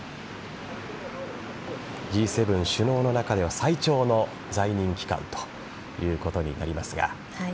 Ｇ７首脳の中では最長の在任期間ということになりますが。